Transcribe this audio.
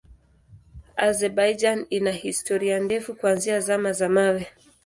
Azerbaijan ina historia ndefu kuanzia Zama za Mawe.